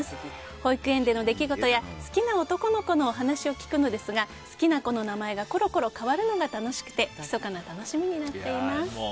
保育園での出来事や好きな男の子の話を聞くのですが好きな子の名前がコロコロ変わるのが楽しくてひそかな楽しみになっています。